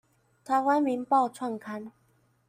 臺灣民報創刊